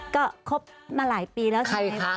ก็คบมาหลายปีแล้วใช่ไหมคะ